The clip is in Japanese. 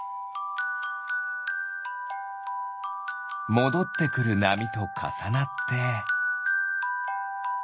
もどってくるなみとかさなって。